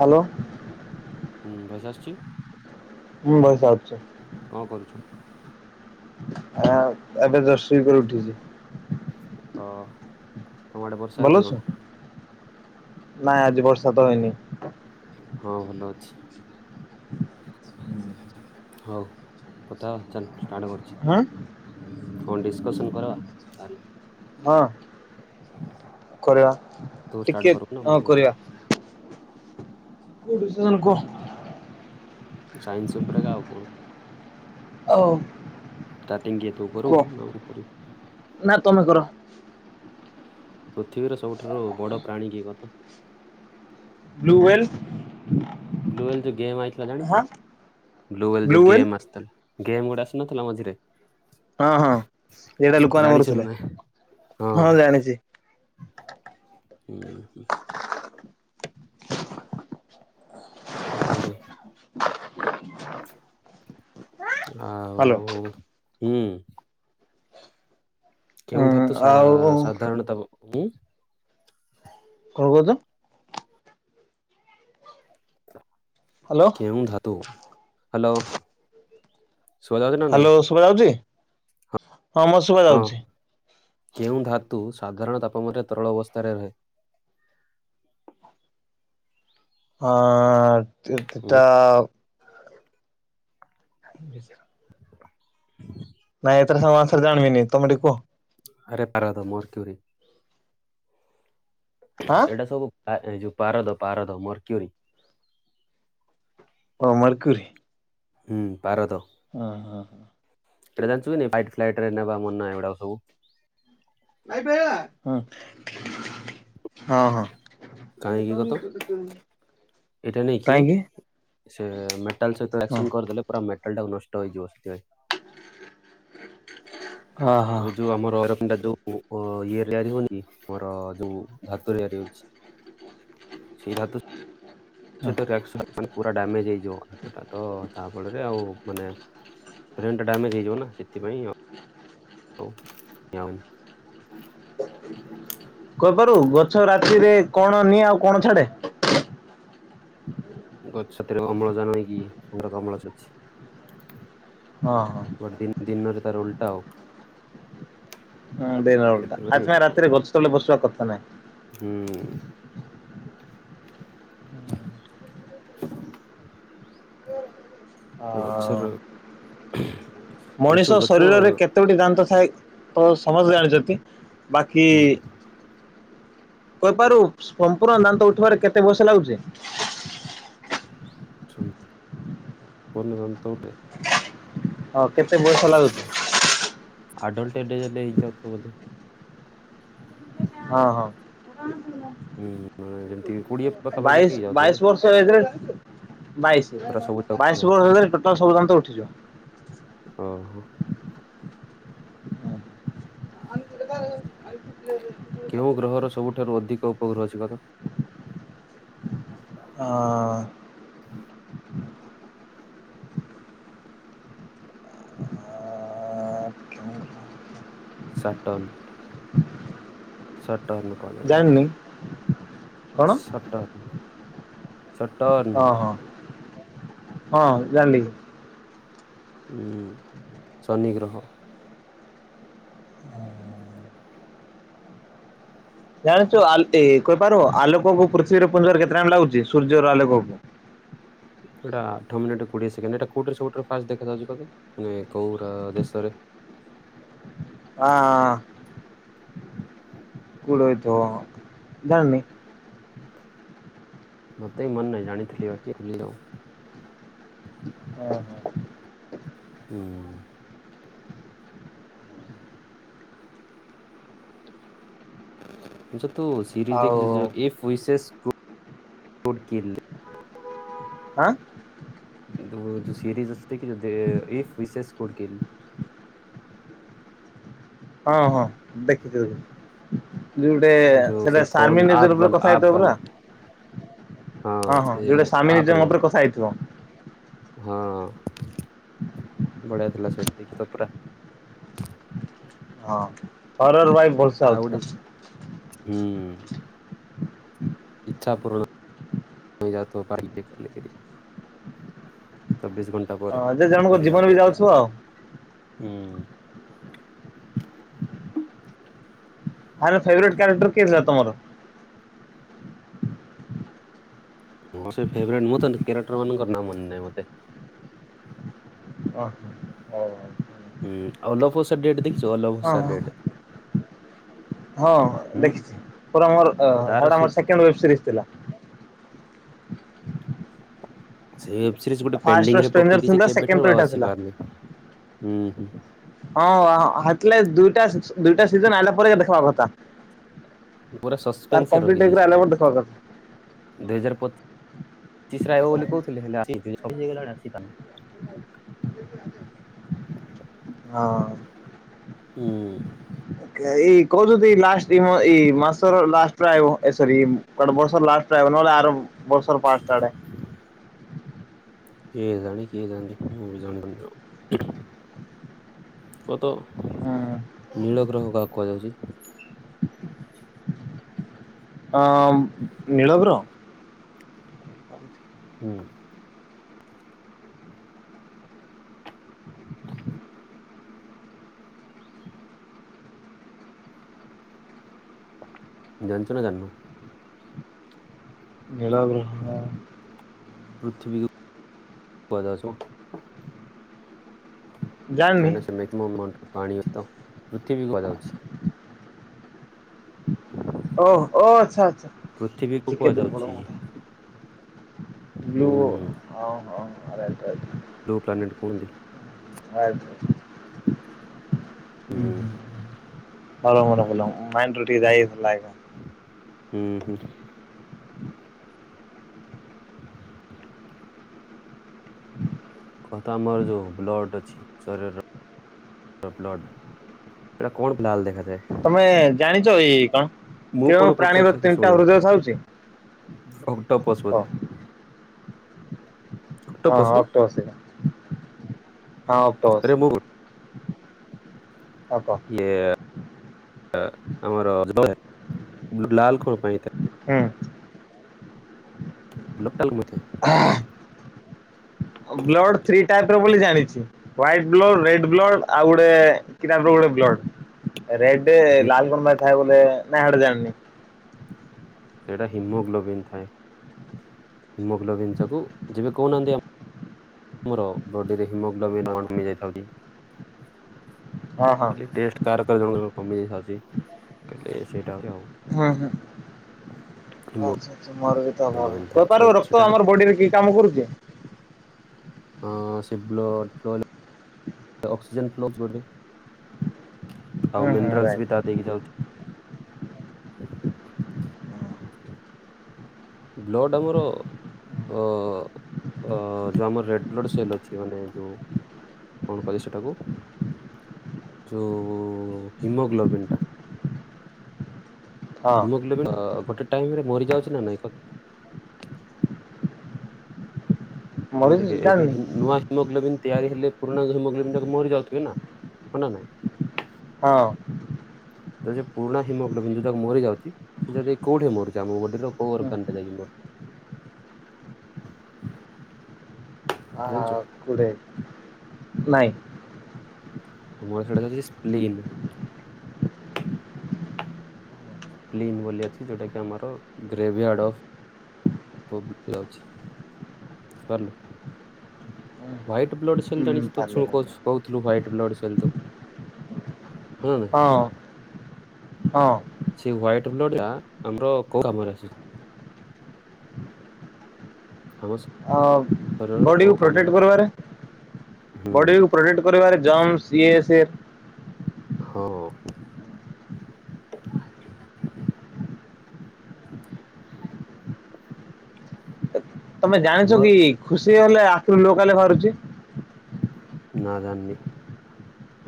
Hello. ହୁଁ voice ଆସୁଛି? ହୁଁ ଭଏସ୍ ଆସୁଛି। କଣ କରୁଚୁ? ଆ ଏବେ ଜଷ୍ଟ ଶୋଇ କରି ଉଠିଛି। ଅ। ତମ ଆଡେ ବର୍ଷା ହେଇଛି କଣ? ନାଇଁ ଆଜି ବର୍ଷା ତ ହେଇନି। ହଁ ଭଲ ଅଛି। ହଉ କଥା ଚାଲ ଷ୍ଟାର୍ଟ କରଛି। ହଁ [unintelligible] କଣ ଡିସକସନ କର ତାହେଲେ ହଁ। କରିବା ତୁ ଷ୍ଟାର୍ଟ ଟିକେ କରିବୁ ନା ହଁ ମୁଁ କରିବି କରିବା କୋ [unintelligible] କୁହ। ସାଇନ୍ସ ଉପରେ ଆଉ କଣ? ହଉ। ଟାଟିଙ୍ଗ କିଏ ତୁ କରୁ ନା ମୁଁ କରିବି। ନାଁ ତମେ କର। ପୃଥିବୀର ସବୁଠାରୁ ବଡ ପ୍ରାଣୀ କିଏ କହ? ବ୍ଲୁୱେଲ। ବ୍ଲୁୱେଲ ଦ ଗେମ୍ ଆଇଥିଲା ଜାଣିଛ blue whale the blue whale game ଆସିଥିଲା। ଗେମ୍ ଗୁଡା ଆସୁନଥିଲା ମଝିରେ ହଁ ହଁ ଇଆଡେ ଲୋକମାନେ ଜାଣିଛୁ ନା ମରୁଥିଲେ। ନାଇଁ ହଁ ଜାଣିଛି। ହଁ। [unintelligible] ତାପରେ ଆଉ, ହ୍ୟାଲୋ ହୁଁ। କେଉଁ ହଁ ଧାତୁ ସା ଆଉ ଆ ସାଧାରଣତଃ ମୁଁ କଣ କହୁଚ? ହ୍ୟାଲୋ। କେଉଁ ଧାତୁ ହ୍ୟାଲୋ। ଶୁଭାଯାଉଛି ନା ନାଇଁ? ହ୍ୟାଲୋ ଶୁଭ ଯାଉଛି। ହଁ ମୁଁ ଶୁଭ ହଁ ଯାଉଛି। କେଉଁ ଧାତୁ ସାଧାରଣ ତାପମ୍ରାରେ ତରଳ ଅବସ୍ଥାରେ ରହେ? ଆ ଉଁ ସେଟା [unintelligible] ଆ [unintelligible] ନାଇଁ ଏଥର ସମୟସ୍ତ ରେ ଜାଣିବିନି ତମେ ଟିକେ କୁଅ? ଆରେ ପାରଦ ମୋର କ୍ୱିରି। ହଁ ଏଇଟା ସବୁ ଏ ଯୋଉ ପାରଦ ପାରଦ ମୋର କ୍ୱରି। ଅ ମୋର କ୍ୱିରି। ହୁଁ ପାରଦ ହୁଁ ହୁଁ। [unintelligible] ଏଇଟା ଜାଣିଛ କି ନାହିଁ ବାଇକ୍ ଫ୍ଲାଇଟ ନେବା ମନା ଏଗୁଡା କ ସବୁ। ଆଇପ। [unintelligible] ହଁ, ହଁ। କାହିଁକି କତ [unintelligible] ଏଇଟା ନେଇକି ସେ ମେଟାଲ ସହିତ ହଁ ଆକ୍ସନ କରିଦେଲେ ପୁରା ମେଟାଲ ଟା ନଷ୍ଟହେଇଯିବ ସି [unintelligible] ଏବେ ଯୋଉ ଆମର [unintelligible] ଯୋଉ ଇଏ ତିଆରି ହଉନି ଆମର ଯୋଉ ଧାତୁ ତିଆରି ହଉଛି। ସେଇ ଧାତୁ ହଁ [unintelligible] ପୁରା ଡାମେଜ ହେଇଯିବଟା ତ ତା ଫଳରେ ଆଉ ମାନେ ବ୍ରେନ୍ ଟା ଡ୍ୟାମେଜେ ହେଇଯିବ ନା ସେଥିପାଇଁ। ହଉ [unintelligible] କହିପାରୁ ଗଛ ରାତିରେ କଣ ନିଏ ଆଉ କଣ ଛାଡେ? ଗଛଛାତରେ ଅମ୍ଳଜାନ ନେଇକି ଅଙ୍ଗାର କାମ୍ଲ ଛାଡୁଛି। ହଁ, ହଁ। ଗୋଟେ ଦି ଦିନରେ ତାର ଓଲଟା ଆଉ ହୁଁ, ଦିନ ଉଲଟା। ସେଥିପାଇଁ ଆମେ ପାଇଁ ରାତିରେ ଗଛ ତଳେ ବସିବା କଥାନାହିଁ। ହୁଁ। [unintelligible] [unintelligible] ଗଛର [unintelligible] ଗଛ ମଣିଷ ଗଛ ଶରୀରରେ କେ କେତେ ଗୋଟି ଦାନ୍ତ ଥାଏ? ସମସ୍ତେ ଜାଣିଛନ୍ତି। ବାକି କହିପାରୁ ସମ୍ପୂର୍ଣ ଦାନ୍ତ ଉଠିବାରେ କେତେ ବର୍ଷ ଲାଗୁଛି? ସ ପୂର୍ଣ ଦାନ୍ତ [unintelligible] ହଁ, କେତେ ବୟସ ଲାଗୁଛି? ଆଡଲଟ ଡେ [unintelligible] ହେଲେ ହେଇ ଯାଉଛ ବୋଧେ। ହଁ, ହଁ। ହୁଁ [unintelligible] ଯେମିତି କୋଡିଏ ପାଖାପାଖି ହେଲେ ବାଇଶ, ହେଇଯାଉଥିବ ଯେ ବାଇଶ ବର୍ଷ ଏଜେ ରେ ବାଇଶ। ପୁରା ସବୁ ବାଇଶ ଯାଉଛି ବର୍ଷ ଏଜ୍ ରେ ଟୋଟାଲ ସବୁଦାନ୍ତ ଉଠିଯିବ। ଓହୋ। କେଉଁ ଗ୍ରହର ସବୁଠାରୁ ଅଧିକ ଉପଗ୍ରହ ଅଛି କହିଲ? ହଁ ସଟର୍ଣ, ସଟର୍ଣ କହିଦେଲି। ଜାଣିନି କଣ ସଟର୍ନ, ସଟର୍ନ। ହଁ, ହଁ, ହଁ ଜାଣିଲି। ହୁଁ, ଶନିଗ୍ରହ। ଜାଣିଛୁ [unintelligible] ଆ କହିପାରିବୁ? ଆଲୋକକୁ ପୃଥିବୀରେ ପଡ଼ିବାକୁ କେତେ ଟାଇମ୍ ଲାଗୁଛି? ସୂର୍ଯ୍ୟର ଆଲୋକକୁ। ସେଇଟା ଆଠ ମିନିଟ କୋଡିଏ ସେକେଣ୍ଡ। ଏଟା କୋଉଟାରେ ସବୁଠାରୁ ଫାଷ୍ଟ ଦେଖାଯାଉଛି କହିଲ? ମାନେ କୋଉ ଦେଶରେ? ଆଁ କୋଉଠି ହେଇଥିବ ଜାଣିନି। ମୋତେ ବି ମନ ନାହିଁ। ଜାଣିଥିଲି [unintelligible] କି ଖୁଲି ଯା ଓହୋ। ହୁଁ। ଯତୁ ସିରିିଜ ଆଉ ଦେଖିଛ ଯେ ଏଫ ଇସେସ୍ କୋ କିଲେ। [unintelligible] ଆଁ ଯୋଉ ସିରିଜ ଅଛି ଦେଖିଛ? ଏକ ବିସ ସ୍କୋର କିଲ? ହଁ, ହଁ ଦେଖିଥିଲି। ଯେ ଗୋଟେ ଯୋଉ ସେ ସେଟା ଫୋନ୍ ଆପ୍ ସାରମେନେଜର ଉପରେ ବାଲା କଥା ଆପ୍ ହେଇଥିବ ପୁରା? ବାଲା ହଁ, ହଁ ଯୋଉଟା ଆପ୍ ସାରମେନେଜମ ଥିବ ଉପରେ କଥା ହେଇଥିବ। ହଁ, ବଢିଆ ଥିଲା ସେଇଟା ଦେଖି ଥିବ ପରା? ହଁ। ହୋରେର [unintelligible] ଆଉ ଗୋଟେ ହୁଁ ଇଚ୍ଛା ପୂର୍ଣ [unintelligible] ହୋଇ କରି ଚବିଶ ଘଣ୍ଟ ହଁ, ଯେ ଜଣଙ୍କ ଜୀବନ ବି ଯାଉଥିବ ଆଉ। ହୁଁ। ୟାର ଫେଭରେଟ କ୍ୟାରେଟର କିଏ ଥିଲା ତମର? ମୋର ସେ ଫେବରେଟ୍। ମୁଁ ତା କ୍ୟାରେକ୍ଟର ମାନଙ୍କର ନାଁ ମନେନାହିଁ ମୋତେ। ଓ ହୋ ହଉ। ହୁଁ, [unintelligible] ଦେଖିଛ ହଉ ହଁ [unintelligible] ହଁ ଦେଖିଛି ପୁରା ଆମର ତାର ସେଟା ସେ ଆମର ସେକେଣ୍ଡ ୱେବ୍ ସିରିଜ ଥିଲା। ସେ ୱେବ୍ ସିରିଜ ଗୋଟେ ଫାଷ୍ଟ ର ପେଣ୍ଡିଙ୍ଗରେ ପକେଇ ଷ୍ଟ୍ରେଞ୍ଜର ଦେଇଛି ଥିଲା ସେକେଣ୍ଡ କେବେଠାରୁ ର ଆଉ ଏଇଟା ଥିଲା। ଆସିପାରୁନି। ହୁଁ। ହଁ ହେତିଲାଗି ଦୁଇଟା ଦୁଇଟା ସିଜନ ଆଇଲା ପରେ ଦେଖବା କଥା। ପୁରା ତାର ସସ୍ପେନ୍ସରେ କମ୍ପ୍ଲିଟ ହେଇକି ରଖିଦେଇଛି ଆଇଲା ପରେ ସେଇଟାକୁ। ଦେଖିବା କଥା ଦୁଇ ହଜାର ପଚିଶ ପଚିଶରେ ଆଇବ ବୋଲି କହୁଥିଲେ ହେଲେ [unintelligible] ଦୁଇ ହଜାର ଛବିଶ ହେଇଗଲାଣି ଆସିପାରୁନି। ହଁ। ହୁଁ। ଏଇ କହୁଛନ୍ତି ଲାଷ୍ଟ ଏଇ ଏଇ ମାସର ଲାଷ୍ଟରେ ଆଇଵ ଏ ସରି। ଏ ବର୍ଷର ଲାଷ୍ଟ ରେ ଆଇବ ନହେଲେ ଆର ବର୍ଷ ର ଫାଷ୍ଟ ଆଡ଼େ। କେଜାଣି କିଏ ଜାଣିଛି ମୁଁ ବି ଜାଣିପାରୁନି। କୁହ ତ ହୁଁ ନୀଳ ଗ୍ରହ କାହାକୁ କୁହା ଯାଉଛି। ଅ ନୀଳଗ୍ରହ? ହୁଁ। ଆ ଜାଣିଛ ନା ଜାଣିନ? ନୀଳଗ୍ରହ। ପୃଥିବୀକୁ କୁହାଯାଉଛି। ଜାଣିନି କାହିଁକିନା ସେ [unintelligible] ପୃଥିବୀକୁ କୁହାଯାଉଛି। ଓ ଓ ଆଚ୍ଛା ଆଚ୍ଛା, ପୃଥିବୀକୁ ଜିକେ ଦୁର୍ବଳ। କୁହାଯାଉଛି ବ୍ଲୁ ହୁଁ। ଅ ହ ବ୍ଲୁ ପ୍ଲାନେଟ୍ କୁହନ୍ତି। ଆଚ୍ଛା। ଉଁ ହୁଁ, ଭଲ, ଭଲ ଭଲ ମାଇଣ୍ଡରୁ ଟିକେ ଯାଇଥିଲା ହୁଁ ହୁଁ। କଥା ଆମର ଯୋଉ ବ୍ଲଡ ଅଛି ଶରୀରର। ବ୍ଲଡ୍ ଏଇଟା କଣ ପାଇଁ ଲାଲ୍ ଦେଖାଯାଏ? ତମେ ଜାଣିଛ ଏଇ କଣ ମୁଁ କଣ କେଉଁ ପ୍ରାଣୀର ତିନିଟା ହୃଦୟ ଥାଉଛି। ଅକ୍ଟୋପସ୍ କହ। ବଧେ। ହଁ ହଁ ନା ଅକ୍ଟୋପସ୍ ସେଇଟା। ହଁ ଆରେ ଅକ୍ଟୋପସ୍। ମୁଁ [unintelligible] ଇଏ ଆମର ଲାଲ କଣ ପାଇଁ ହେଇଥାଏ। ହୁଁ। [unintelligible] ହଁ ଆଉ ବ୍ଲଡ ଥ୍ରୀ ଟାଇପ୍ ର ବୋଲି ଜାଣିଛି। ହ୍ୱାଇଟ୍ ବ୍ଲଡ଼, ରେଡ୍ ବ୍ଲଡ଼ ଆଉ ଗୋଟେ କି ଟାଇପ୍ ର ଗୋଟେ ବ୍ଲଡ଼। ରେଡ୍ ଲାଲ୍ କଣପାଇଁ ଥାଏ ବୋଲେ ନାଇଁ ହେଟା ଜାଣିନି। ହେଇଟା ହିମୋଗ୍ଲୋବିନ୍ ଥାଏ ହିମୋଗ୍ଲୋବିନ୍ ଯାକୁ ଯେବେ କହୁନାହାନ୍ତି ଆମେ ମୋର ବଡିରେ ହିମୋଗ୍ଲୋବିନ୍ ହଁ ହଁ [unintelligible] ତାର ତାର ଯୋଉ କମେଇ ଦେଇଖାଇଛି। କେ ସେଇଟା ଆହୁରି ଆଉ। ହୁଁ ହୁଁ। ଏ ମୋ ସାର୍ ସାର୍ ମୋର କେତେ ଅଭାବ କହିପାରବ ସେଟା ରକ୍ତ ଆମର ବାଡ଼ିରେ କି କାମ କରୁଚି। ହଁ ସେ ବ୍ଲଡ୍ ଫଲ୍ ହେଲେ ଅକ୍ସିଜନ୍ ଫ୍ଲୋର ହଉଛି ବଡ଼ି ରେ। ଆଉ ହୁଁ ହୁଁ ମିନିରାଲସ୍ ରାଇଟ ବି ତା ଦେଇକି ଯାଉଚି। ବ୍ଲଡ଼ ଆମର ଓ ଅ ଯୋଉ ଆମର ରେଡ୍ ବ୍ଲଡ଼ ସେଲ୍ ଅଛି। ମାନେ ଯୋଉ କଣ କହିବେ ସେଟାକୁ ଯୋଉ ହିମୋଗ୍ଲୋବିନ୍ ଟା। ହଁ ହିମୋଗ୍ଲୋବିନ୍ ଅଁ ଗୋଟେ ଟାଇମରେ ମରିଯାଉଛି ନା ନାଇଁ କ [unintelligible] ମରିଚି କି ଏବେ ଜାଣିନି ହିଁ ନୂଆ ହିମୋଗ୍ଲୋବିନ୍ ତିଆରି ହେଲେ ପରୁଣା ହୋମୋଗ୍ଲୋବିନଟା ମରି ଯାଉଥିବ ନା। ହଁ ନା ନାଇଁ। ହଁ ଏ ଯୋଉ ପୁରୁଣା ହିମୋଗ୍ଲୋବିନ୍ ଯୋଉ ତାକୁ ମରି ଯାଉଚି। ସେ ଯଦି କୋଉଠି ମରୁଛି ଆମ ବଡିର କୋଉ ଅର୍ ଗାନଟା ମ ଜାଣିଚ କୋଉଠି ନାଇଁ। ମୋର ସେଇଟା ଯାଉଛି ସ୍ପ୍ଲିନ୍। ପ୍ଲିନ୍ ବୋଲି ଅଛି ଯୋଉଟା କି ଆମର ଗ୍ରେଭିଆଡଭ୍ ପୋବେ ଯାଉଛି। ସଲ୍ ହ୍ୱାଇଟ୍ ବ୍ଲଡ଼ ସେଲ୍ ହୁଁ ଜାଣିଛି ତ ସବୁ ପାରିଲିନି କହୁଚୁ କହୁଥିଲୁ ହ୍ୱାଇଟ୍ ବ୍ଲଡ଼ ସେଲ୍ ତୁ। ହଁ ହଁ ସେଇ ହ୍ୱାଇଟ୍ ବ୍ଲଡ଼ଟା ଆମର କୋଉ କାମରେ ଆସେ? ଖାମୋସ୍ ଅବ୍ ବଡ଼ିକୁ ପ୍ରୋଟେକ୍ଟ୍ କରିବାରେ ହୁଁ ବଡ଼ିକୁ ପ୍ରୋଟେକ୍ଟ୍ କରିବାରେ ଜଂଗ୍ ଇଏ ସିଏ। ହଁ ତମେ ଜାଣିଚ ଆମର କି ଖୁସି ହେଲେ ଆଖିରୁ ଲୁହ ଖାଲି ବାହାରୁଚି। ନା ଜାଣିନି।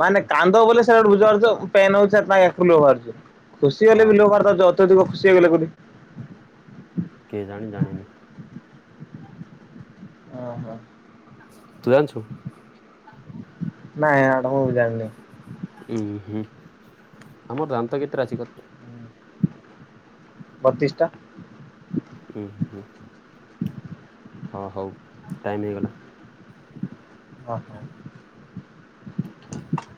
ମାନେ କାନ୍ଦ ବୋଲି ସେ ବୁଝିପାରୁଚ ପେନ୍ ହଉଚି କାଇଁ ଆଖିରୁ ଲୁହ ବାହାରୁଚି। ଖୁସି ହେଲେ ହଁ ବି ଲୁହ ବାହାର କରୁଚ। ଯ ଅତ୍ୟଧିକ ଖୁସି ହେଇଗଲେ ବୋଲି। କେଜାଣି ଜାଣିନି। ଓହୋ ତୁ ଜାଣିଛୁ। ନାଇଁ ହେଡା ମୁଁ ବି ଜାଣିନି। ଉୁଁ ହୁଁ ଆମର ଦାନ୍ତ କେତେଟା ଅଛି। କ ବତିଶ୍ ଟା ଉଁ ହୁଁ ହଁ ହଉ ଟାଇମ୍ ହେଇଗଲା। ଓହୋ। କଣ ହେଲା?